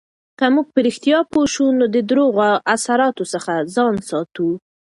که موږ په رښتیا پوه شو، نو د درواغو له اثراتو څخه ځان ساتو.